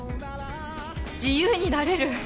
「自由になれる」